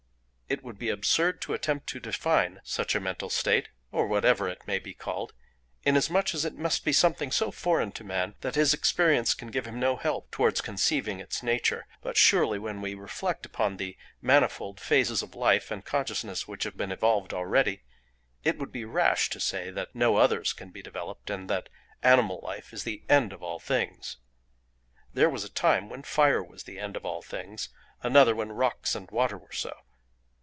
"It would be absurd to attempt to define such a mental state (or whatever it may be called), inasmuch as it must be something so foreign to man that his experience can give him no help towards conceiving its nature; but surely when we reflect upon the manifold phases of life and consciousness which have been evolved already, it would be rash to say that no others can be developed, and that animal life is the end of all things. There was a time when fire was the end of all things: another when rocks and water were so."